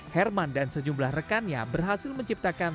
herman dan sejumlah rekannya berhasil menciptakan